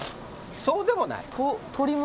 そうでもない？